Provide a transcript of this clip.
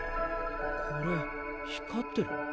これ光ってる？